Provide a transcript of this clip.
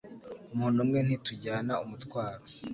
Umuntu umwe ntitujyana umutwaro